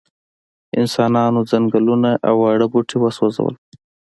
انسانانو ځنګلونه او واړه بوټي وسوځول.